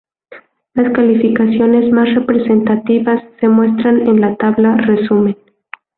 Las calificaciones más representativas, se muestran en la tabla resumen.